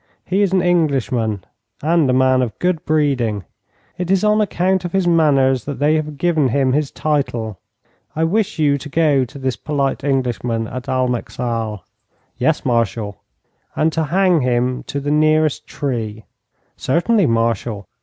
He is an Englishman, and a man of good breeding. It is on account of his manners that they have given him his title. I wish you to go to this polite Englishman at Almeixal.' 'Yes, Marshal.' 'And to hang him to the nearest tree.' 'Certainly, Marshal.'